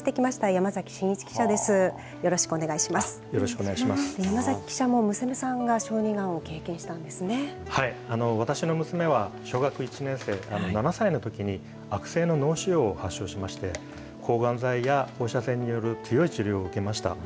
山崎記者も娘さんが、小児が私の娘は小学１年生、７歳のときに、悪性の脳腫瘍を発症しまして、抗がん剤や放射線による強い治療を受けました。